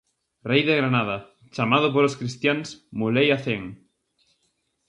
Rei de Granada, chamado polos cristiáns Mulei-Hacén.